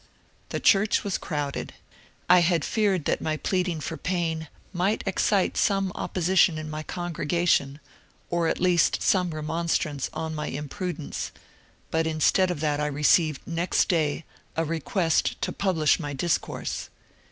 The church was crowded. I had feared that my pleading for Paine might ex cite some opposition in my congregation, or at least some re monstrance on my imprudence ; but instead of that I received next day a request to publish my discourse.